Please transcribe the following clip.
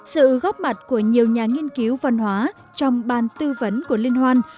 sự góp mặt của nhiều nhà nghiên cứu văn hóa trong bàn tư vấn của liên hoan